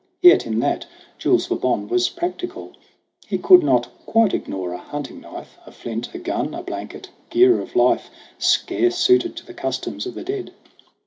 Yet, in that Jules Le Bon was practical, He could not quite ignore a hunting knife, A flint, a gun, a blanket gear of life Scarce suited to the customs of the dead